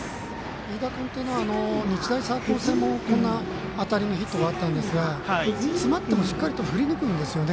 飯田君というのは日大三高戦もこんな当たりのヒットがあったんですが詰まってもしっかりと振りぬくんですよね。